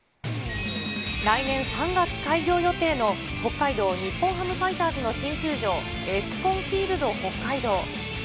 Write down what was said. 来年３月開業予定の北海道日本ハムファイターズの新球場、エスコンフィールドホッカイドウ。